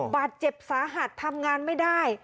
บัตรเจ็บ฻าหัดทำงานไม่ได้